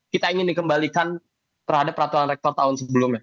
kita ingin dikembalikan terhadap peraturan rektor tahun sebelumnya